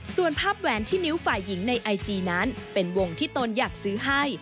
ส่วนภาพแหวนที่นิ้วฝ่ายหญิงในไอจีนั้นเป็นวงที่ตนอยากซื้อให้